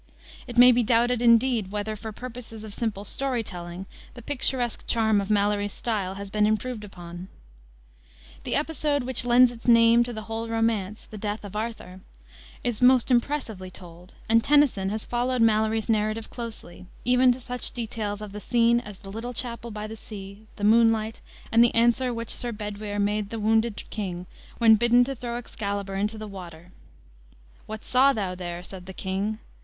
It may be doubted, indeed, whether, for purposes of simple story telling, the picturesque charm of Malory's style has been improved upon. The episode which lends its name to the whole romance, the death of Arthur, is most impressively told, and Tennyson has followed Malory's narrative closely, even to such details of the scene as the little chapel by the sea, the moonlight, and the answer which Sir Bedwere made the wounded king, when bidden to throw Excalibur into the water, "'What saw thou there?' said the king.